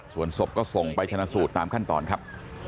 ส่วนศพก็ส่งไปชนะสูตรตามขั้นตอนครับ